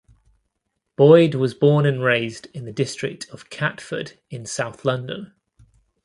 Boyd was born and raised in the district of Catford in south London.